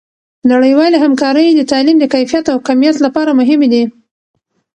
نړیوالې همکارۍ د تعلیم د کیفیت او کمیت لپاره مهمې دي.